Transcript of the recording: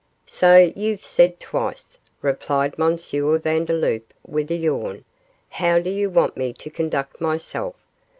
'So you've said twice,' replied M. Vandeloup, with a yawn. 'How do you want me to conduct myself?